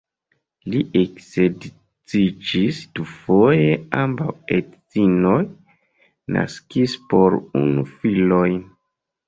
Li eksedziĝis dufoje, ambaŭ edzinoj naskis po unu filojn.